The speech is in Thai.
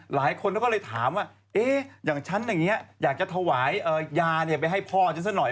หลายคนเขาก็เลยถามว่าอย่างฉันอย่างนี้อยากจะถวายยาไปให้พ่อฉันซะหน่อย